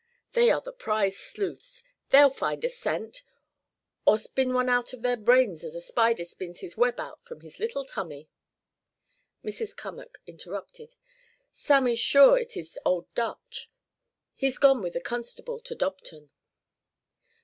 They are the prize sleuths. They'll find a scent, or spin one out of their brains as a spider spins his web out of his little tummy " Mrs. Cummack interrupted: "Sam is sure it is Old Dutch. He's gone with the constable to Dobton."